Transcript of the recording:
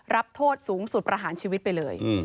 รับโทษสูงสุดประหารชีวิตไปเลย